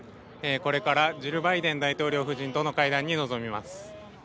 これからジル・バイデン大統領夫人との会談に臨みます。